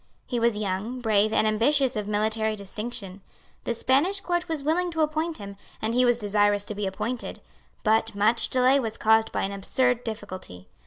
He was young, brave, and ambitious of military distinction. The Spanish Court was willing to appoint him, and he was desirous to be appointed; but much delay was caused by an absurd difficulty.